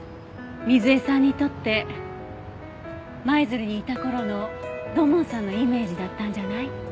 水絵さんにとって舞鶴にいた頃の土門さんのイメージだったんじゃない？